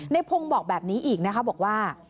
ในพงศ์บอกแบบนี้อีกบอกว่า